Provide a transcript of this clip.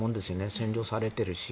占領されてるし。